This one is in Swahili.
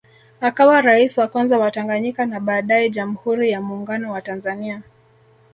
Akawa rais wa Kwanza wa Tanganyika na baadae Jamhuri ya Muungano wa Tanzania